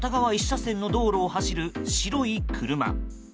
１車線の道路を走る白い車。